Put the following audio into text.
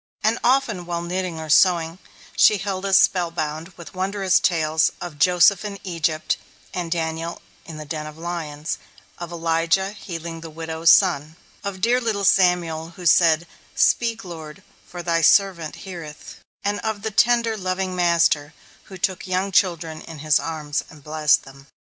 And often, while knitting or sewing, she held us spell bound with wondrous tales of "Joseph in Egypt," of "Daniel in the den of lions," of "Elijah healing the widow's son," of dear little Samuel, who said, "Speak Lord, for Thy servant heareth," and of the tender, loving Master, who took young children in his arms and blessed them.